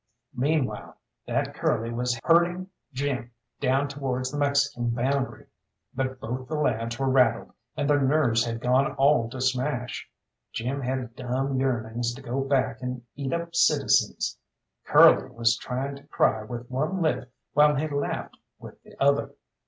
Meanwhile that Curly was herding Jim down towards the Mexican boundary; but both the lads were rattled, and their nerves had gone all to smash. Jim had dumb yearnings to go back and eat up citizens, Curly was trying to cry with one lip while he laughed with the other.